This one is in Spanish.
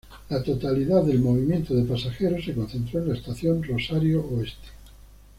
La totalidad del movimiento de pasajeros se concentró en la estación Rosario Oeste.